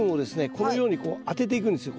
このように当てていくんですよ